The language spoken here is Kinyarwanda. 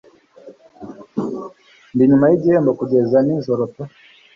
Ndi nyuma yigihembo kugeza nijoro pe